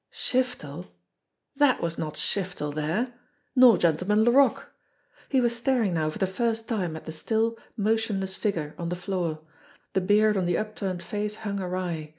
Shiftel! That was not Shi ftel there! Nor Gen tleman Laroque ! He was staring now for the first time at the still, motionless figure on the floor. The beard on the upturned face hung awry.